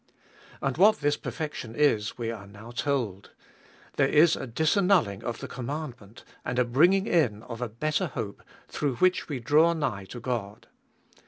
And what this perfection is, we are now told :" There is a disannulling of the commandment, and a bringing in of a better hope, through which we draw nigh to God."